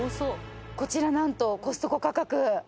こちら何とコストコ価格。